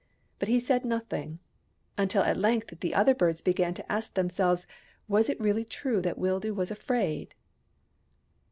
But he said nothing : until at length the other birds began to ask themselves was it really true that Wildoo was afraid